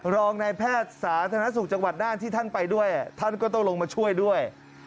รองนายแพทย์สาธารณสุขจังหวัดน่านที่ท่านไปด้วยท่านก็ต้องลงมาช่วยด้วย